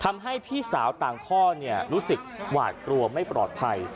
พี่สาวต่างพ่อรู้สึกหวาดกลัวไม่ปลอดภัย